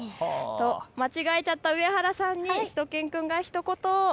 間違えちゃった上原さんにしゅと犬くんがひと言。